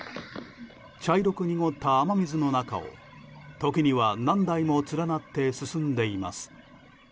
茶色く濁った雨水の中を時には何台も連なって進んでいます。